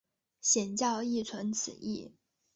显教亦存此义。